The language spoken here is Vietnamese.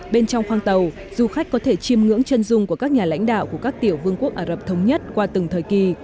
bên trong khoang tàu du khách có thể chiêm ngưỡng chân dung của các nhà lãnh đạo của các tiểu vương quốc ả rập thống nhất qua từng thời kỳ